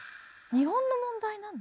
日本の問題なの？